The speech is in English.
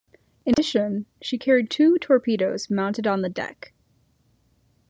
In addition, she carried two torpedoes, mounted on the deck.